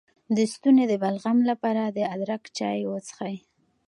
د ستوني د بلغم لپاره د ادرک چای وڅښئ